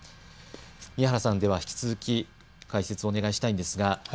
宮原さん、引き続き解説をお願いしたいんですが。